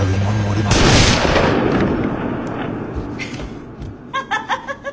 フハハハハハッ！